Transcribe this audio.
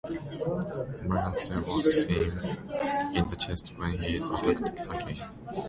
Morgan stabs him in the chest when he is attacked again.